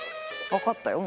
分かったよ